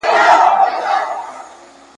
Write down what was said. چي شیخانو وي پخوا ایمان پلورلی ,